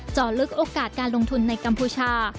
เจาะลึกโอกาสการลงทุนในกัมพูชา